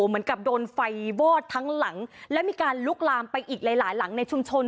เหมือนกับโดนไฟวอดทั้งหลังและมีการลุกลามไปอีกหลายหลายหลังในชุมชน